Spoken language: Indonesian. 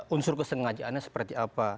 unsur kesengajaannya seperti apa